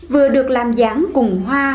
vừa được làm giảng cùng hoa